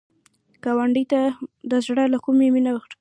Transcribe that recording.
ګاونډي ته د زړه له کومي مینه ورکړه